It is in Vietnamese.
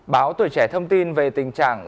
báo tuổi trẻ thông tin về tình trạng